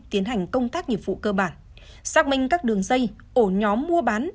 tiến hành công tác nghiệp vụ cơ bản xác minh các đường dây ổ nhóm mua bán